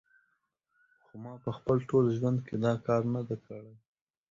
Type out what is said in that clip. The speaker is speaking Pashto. خو ما په خپل ټول ژوند کې دا کار نه دی کړی